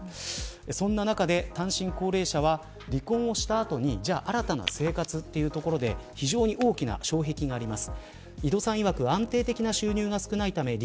その中で単身高齢者は離婚をした後に新たな生活というところで非常に大きな障壁があります。